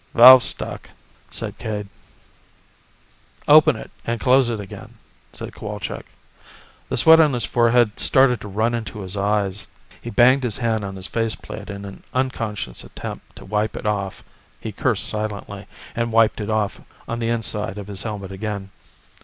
"Valve's stuck," said Cade. "Open it and close it again," said Cowalczk. The sweat on his forehead started to run into his eyes. He banged his hand on his faceplate in an unconscious attempt to wipe it off. He cursed silently, and wiped it off on the inside of his helmet again.